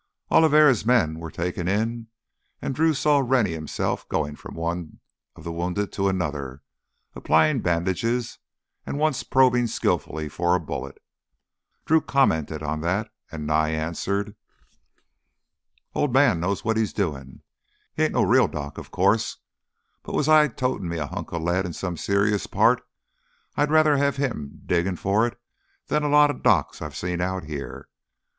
Oliveri's men were taken in and Drew saw Rennie himself going from one of the wounded to another, applying bandages and once probing skillfully for a bullet. Drew commented on that, and Nye answered: "Old Man knows what's he's doin'. He ain't no real doc, of course, but was I totin' me a hunka lead in some serious part, I'd rather have him diggin' for it than a lotta docs I've seen out here.